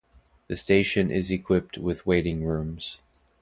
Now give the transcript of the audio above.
The station is equipped with waiting rooms.